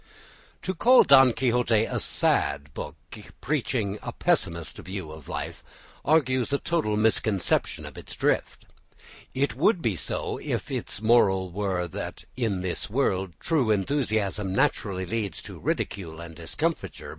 To call "Don Quixote" a sad book, preaching a pessimist view of life, argues a total misconception of its drift. It would be so if its moral were that, in this world, true enthusiasm naturally leads to ridicule and discomfiture.